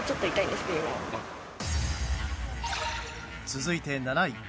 続いて７位。